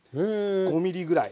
５ｍｍぐらい。